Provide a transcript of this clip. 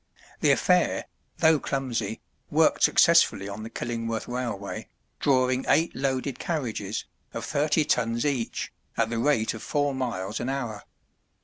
The affair, though clumsy, worked successfully on the Killingworth railway, drawing eight loaded carriages, of thirty tons each, at the rate of four miles an hour.